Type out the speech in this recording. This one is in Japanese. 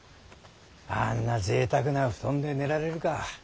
あんなぜいたくな布団で寝られるか。